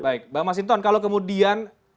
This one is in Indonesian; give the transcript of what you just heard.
baik bang mas hinton kalau kemudian